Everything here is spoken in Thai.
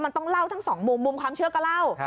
มันต้องเล่าทั้งสองมุมมุมความเชื่อก็เล่า